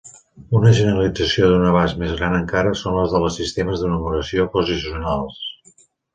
Una generalització d'un abast més gran encara són les dels sistemes de numeració posicionals.